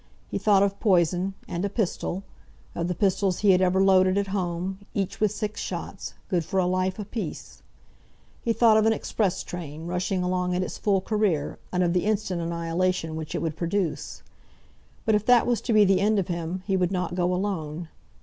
He thought of poison, and a pistol, of the pistols he had ever loaded at home, each with six shots, good for a life apiece. He thought of an express train, rushing along at its full career, and of the instant annihilation which it would produce. But if that was to be the end of him, he would not go alone.